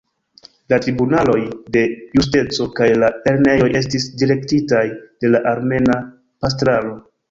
La tribunaloj de justeco kaj la lernejoj estis direktitaj de la armena pastraro.